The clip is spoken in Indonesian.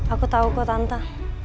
aku tahu kok tante